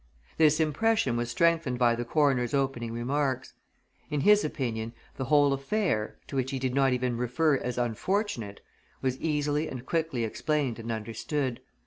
This impression was strengthened by the coroner's opening remarks. In his opinion, the whole affair to which he did not even refer as unfortunate was easily and quickly explained and understood.